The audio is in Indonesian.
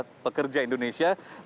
kemudian konfederasi serikat pekejayaan